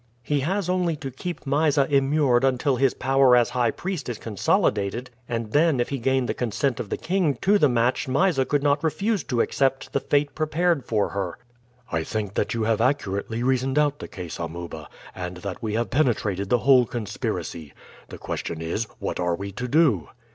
"He has only to keep Mysa immured until his power as high priest is consolidated, and then if he gain the consent of the king to the match Mysa could not refuse to accept the fate prepared for her." "I think that you have accurately reasoned out the case, Amuba, and that we have penetrated the whole conspiracy. The question is, what are we to do?"